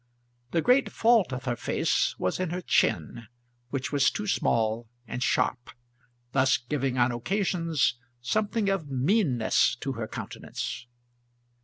The great fault of her face was in her chin, which was too small and sharp, thus giving on occasions something of meanness to her countenance.